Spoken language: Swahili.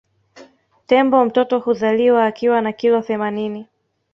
Tembo mtoto huzaliwa akiwa na kilo themanini